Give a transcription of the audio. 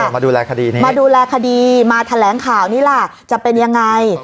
มาดูแลคดีมาแถลงข่าวนี้ล่ะจะเป็นยังไง